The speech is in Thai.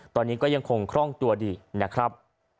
ตอนนี้ก็ยังคงคล่องตัวดีนะครับ